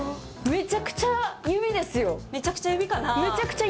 めちゃくちゃ指です！